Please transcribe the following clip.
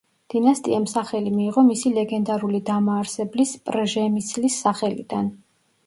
დინასტიამ სახელი მიიღო მისი ლეგენდარული დამაარსებლის პრჟემისლის სახელიდან.